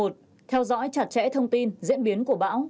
theo dõi chặt chẽ thông tin diễn biến của bão